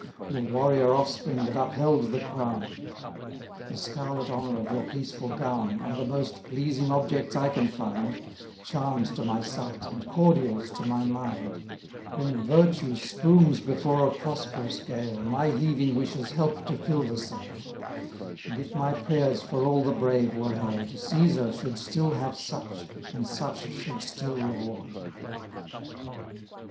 Your warrior offspring that upheld the crown. The scarlet honour of your peaceful gown, Are the most pleasing objects I can find, Charms to my sight, and cordials to my mind: When virtue spooms before a prosperous gale, My heaving wishes help to fill the sail; And if my prayers for all the brave were heard, Cæsar should still have such, and such should still reward.